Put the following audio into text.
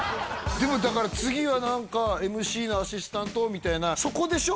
でもだから次は何かＭＣのアシスタントみたいなそこでしょ？